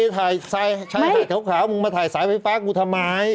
ใช่ไปใส่เข้าเขล่ามรึงมาถ่ายสายไฟฟ้ากูทำไม